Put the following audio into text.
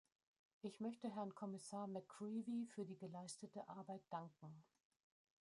Ich möchte Herrn Kommissar McCreevy für die geleistete Arbeit danken.